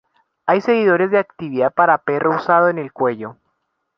Hay seguidores de actividad para perro usada en el cuello.